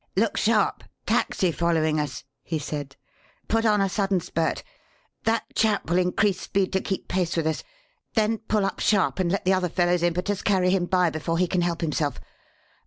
"Look sharp taxi following us!" he said. "Put on a sudden spurt that chap will increase speed to keep pace with us then pull up sharp and let the other fellow's impetus carry him by before he can help himself.